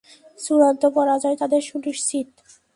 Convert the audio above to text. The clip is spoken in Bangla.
চুড়ান্ত পরাজয় তাদের সুনিশ্চিত।